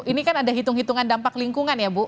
ini kan ada hitung hitungan dampak lingkungan ya bu